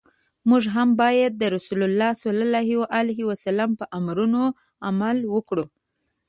موږ هم باید د رسول الله ص په امرونو عمل وکړو.